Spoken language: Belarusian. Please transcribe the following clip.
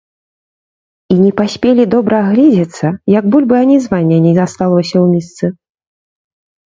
І не паспелі добра агледзецца, як бульбы анізвання не асталося ў місцы.